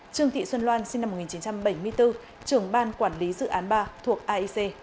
trương thị xuân loan sinh năm một nghìn chín trăm bảy mươi bốn trưởng ban quản lý dự án ba thuộc aic